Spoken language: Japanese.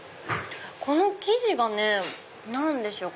この生地がね何でしょう？